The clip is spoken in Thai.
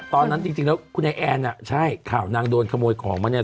ตอนนั้นจริงแล้วคุณไอแอนอ่ะใช่ข่าวนางโดนขโมยของมาเนี่ย